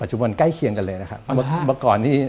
ปัจจุบันใกล้เคียงกันเลยนะครับ